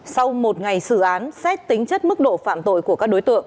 sau một ngày xử án xét tính chất mức độ phạm tội của các đối tượng